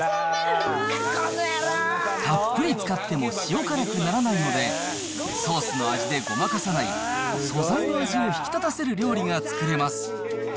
たっぷり使っても塩辛くならないので、ソースの味でごまかさない、素材の味を引き立たせる料理が作れます。